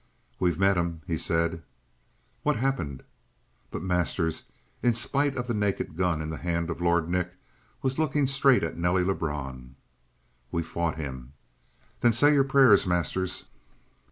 "We've met him," he said. "What happened?" But Masters, in spite of the naked gun in the hand of Lord Nick, was looking straight at Nelly Lebrun. "We fought him." "Then say your prayers, Masters."